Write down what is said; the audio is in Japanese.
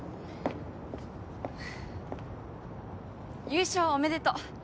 優勝おめでとう。